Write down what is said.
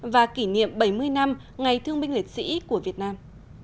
và kỷ niệm bảy mươi năm ngày thương binh liệt sĩ của việt nam